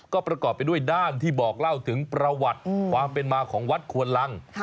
ก็ประกอบไปด้วยด้านที่บอกเล่าถึงประวัติความเป็นมาของวัดควนลัง